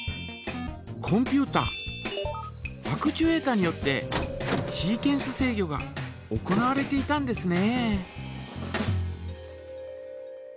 コンピュータアクチュエータによってシーケンス制御が行われていたんですね。